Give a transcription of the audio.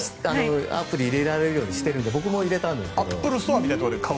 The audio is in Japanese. アプリを入れられるようにしたので僕も入れたんですが。